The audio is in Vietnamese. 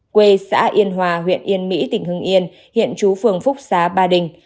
quê xã yên hòa huyện yên mỹ tỉnh hưng yên hiện chú phường phúc xá ba đình